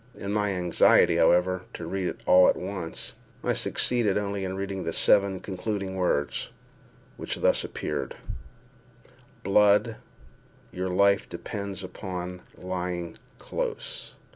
In my anxiety, however, to read all at once, I succeeded only in reading the seven concluding words, which thus appeared—"blood—your life depends upon lying close."